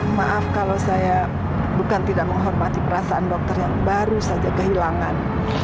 maaf kalau saya bukan tidak menghormati perasaan dokter yang baru saja kehilangan